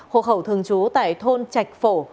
hộ khẩu thường trú tại thôn chạch phổ